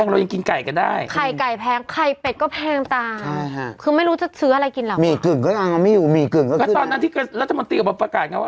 แล้วตอนนั้นที่ตอนนั้นที่รัฐมนตร์ประกาศ